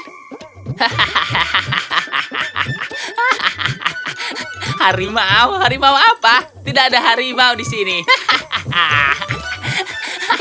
hahaha harimau harimau apa tidak ada harimau di sini hahaha